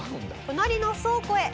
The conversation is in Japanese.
隣の倉庫へ。